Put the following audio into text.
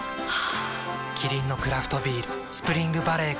キリンのクラフトビール「スプリングバレー」から